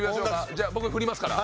じゃあ僕振りますから。